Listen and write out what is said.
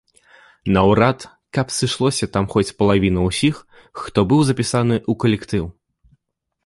Наўрад, каб сышлося там хоць палавіна ўсіх, хто быў запісаны ў калектыў.